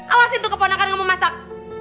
awas itu keponakan kamu masak